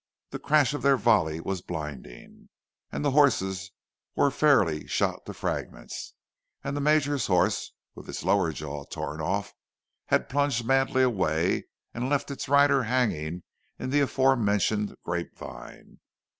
The crash of their volley was blinding—and horses were fairly shot to fragments; and the Major's horse, with its lower jaw torn off, had plunged madly away and left its rider hanging in the aforementioned grape vine.